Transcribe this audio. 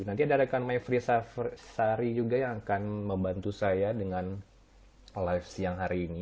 nanti ada rekan mevri sari juga yang akan membantu saya dengan live siang hari ini